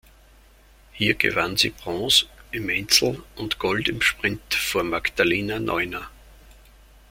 Hier gewann sie Bronze im Einzel und Gold im Sprint vor Magdalena Neuner.